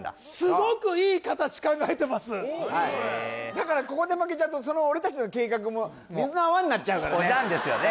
考えてるんだだからここで負けちゃうとその俺たちの計画も水の泡になっちゃうからねおじゃんですよね